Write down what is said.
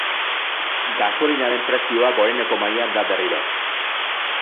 Gasolinaren prezioa goreneko mailan da berriro.